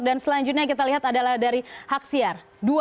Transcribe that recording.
dan selanjutnya kita lihat adalah dari haksiar